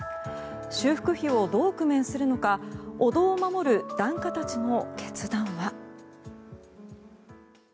修復費をどう工面するのかお堂を守る檀家たちの決断は。